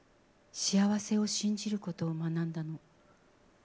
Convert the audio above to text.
幸せを信じることを学んだの。